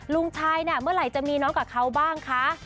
ลุงชายเมื่อไรจะมีน้องกับเขาบ้างคะ